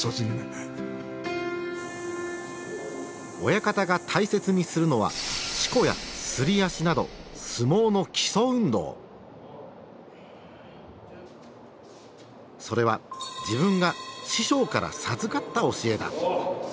親方が大切にするのは四股やすり足などそれは自分が師匠から授かった教えだ。